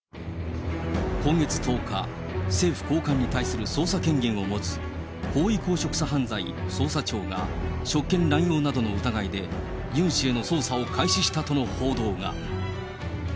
今月１０日、政府高官に対する捜査権限を持つ、高位公職者犯罪捜査庁が、職権乱用などの疑いで、ユン氏への捜査を開始したとの報道が。